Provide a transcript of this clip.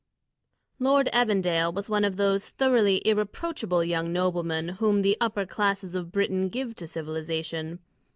Lord Evandale was one of those thoroughly irreproachable young noblemen whom the upper classes of Britain give to civilisation.